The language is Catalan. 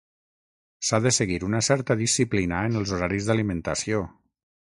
S'ha de seguir una certa disciplina en els horaris d'alimentació.